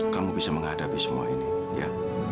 kamu bisa menghadapi semua ini ya